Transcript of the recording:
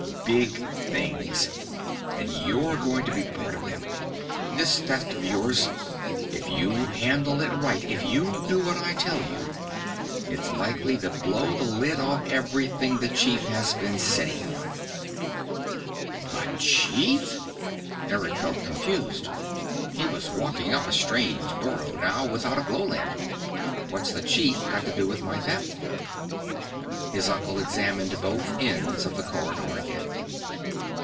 "Big things. And you're going to be a part of them. This Theft of yours if you handle it right, if you do what I tell you, it's likely to blow the lid off everything the chief has been sitting on." "The chief?" Eric felt confused. He was walking up a strange burrow now without a glow lamp. "What's the chief got to do with my Theft?" His uncle examined both ends of the corridor again.